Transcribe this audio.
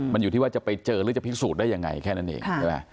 มันอยู่ที่ว่าจะไปเจอหรือจะพิสูจน์ได้ยังไงแค่นั้นเองใช่ไหม